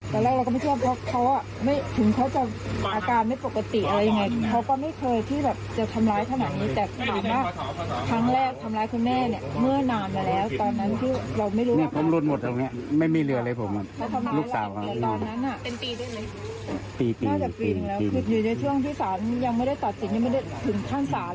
คืออยู่ในช่วงที่ศาลยังไม่ได้ตอบจริงยังไม่ได้ถึงขั้นศาล